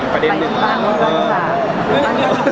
ไปดีแล้ว